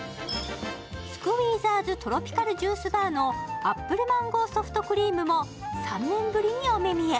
スクウィーザーズ・トロピカル・ジュースバーのアップルマンゴーソフトクリームも３年ぶりにお目見え。